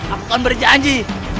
aku akan berjanji